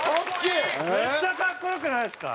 めっちゃ格好良くないですか？